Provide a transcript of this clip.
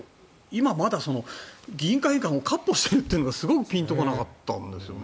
今まだ、議員会館をかっ歩しているというのがすごくピンと来なかったんです。